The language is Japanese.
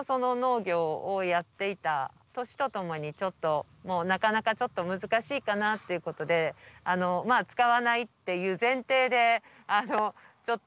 年とともにちょっとなかなか難しいかなっていうことでまあ使わないっていう前提でちょっと使わせて頂いてる。